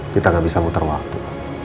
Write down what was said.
kita nggak bisa muter waktu